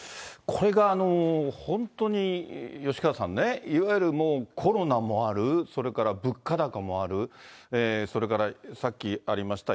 これが本当に吉川さんね、いわゆるもう、コロナもある、それから物価高もある、それからさっきありました